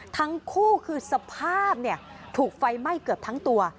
ทั้งคู่คือสภาพถูกไฟไหม้เกือบทั้งตัว